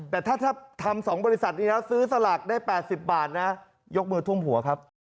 แต่ถ้าทำ๒บริษัทนี้แล้วซื้อสลากได้๘๐บาทนะยกมือทุ่มหัวครับ